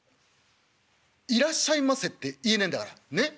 『いらっしゃいませ』って言えねえんだからねっ。